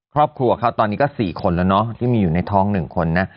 ครอบครัวเขาตอนนี้ก็๔คนแล้วเนอะที่มีอยู่ในท้อง๑คนนะ